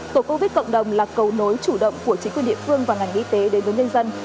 tổ covid cộng đồng là cầu nối chủ động của chính quyền địa phương và ngành y tế đến với nhân dân